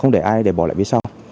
không để ai để bỏ lại phía sau